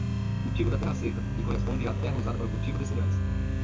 Cultivo da terra seca, que corresponde à terra usada para o cultivo de cereais.